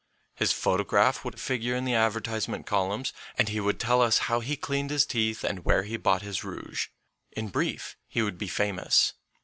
His photograph would figure in the advertise ment columns, and he would tell us how he cleaned his teeth and where he bought his rouge. In brief, he would be famous.